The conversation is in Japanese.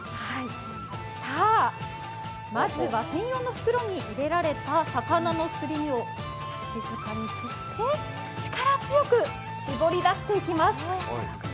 さあ、まずは専用の袋に入れられた魚のすり身を静かに、そして力強く絞りだしていきます。